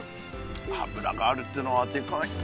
油があるっていうのはでかい。